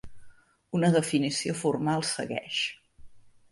Una definició formal segueix.